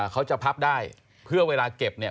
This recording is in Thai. เขาจะพับได้เพื่อเวลาเก็บเนี่ย